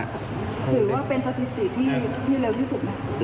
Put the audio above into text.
ถือว่าเป็นสถิติที่เร็วที่สุดนะ